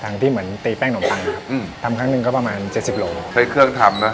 ที่เหมือนตีแป้งขนมปังครับอืมทำครั้งหนึ่งก็ประมาณเจ็ดสิบโลใช้เครื่องทำนะ